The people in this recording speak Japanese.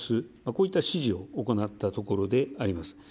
こういった指示を行ったところであります。